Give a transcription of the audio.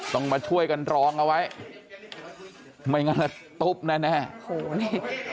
ต้องมาช่วยกันรองเอาไว้ไม่งั้นตุ๊บแน่แน่โอ้โหนี่